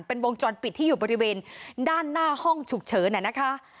เป็นวงจรปิดที่อยู่บริเวณด้านหน้าห้องฉุกเฉินนะคะ